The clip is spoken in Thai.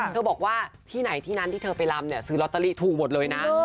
เขาบอกว่าที่ไหนที่นั้นที่เธอไปลำเนี่ยซื้อลอตเตอรี่ถูกหมดเลยนะ